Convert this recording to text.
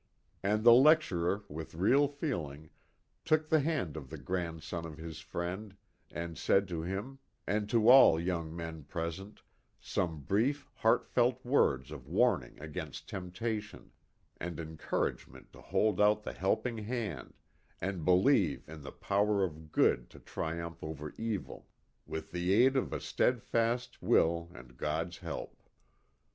21 And the lecturer, with real feeling, took the hand of the grandson of his friend and said to him, and to all the young men present, some brief, heartfelt words of warning against temptation ; and encouragement to hold out the helping hand, and believe in the power of good to tri umph over evil " with the aid of a steadfast will and God's help."